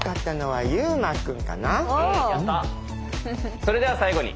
それでは最後に。